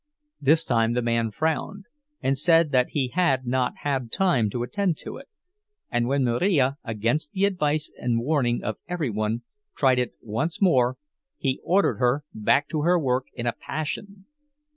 This time the man frowned, and said that he had not had time to attend to it; and when Marija, against the advice and warning of every one, tried it once more, he ordered her back to her work in a passion.